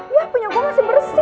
ya punya gue masih bersih